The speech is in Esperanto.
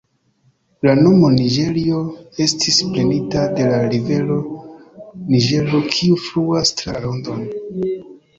La nomo Niĝerio estis prenita de la rivero Niĝero kiu fluas tra la landon.